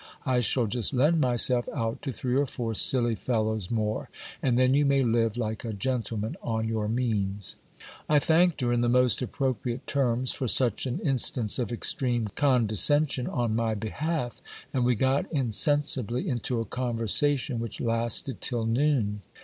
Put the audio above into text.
I shall just lend myself out to three or four silly fellows more, and then you may live like a gentleman on your means. I thanked her in the most appropriate terms for such an instance of extreme condescension on my behalf, and we got insensibly into a conversation which lasted till noon.